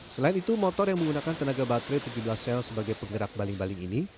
selain itu motor yang menggunakan tenaga baterai tujuh belas sel sebagai penggerak baling baling ini